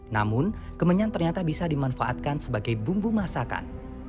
namun kemenyan ternyata bisa dimanfaatkan sebagai bumbu masakan